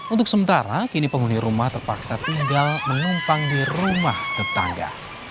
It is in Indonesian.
untuk sementara kini penghuni rumah terpaksa tinggal menumpang di rumah tetangga